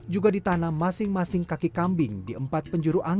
juga ditanam masing masing kaki kambing di empat penjuru angin